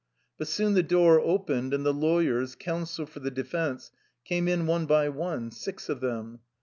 But soon the door opened, and the lawyers, counsel for the defense, came in one by one, six of them.